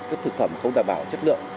các thực phẩm không đảm bảo chất lượng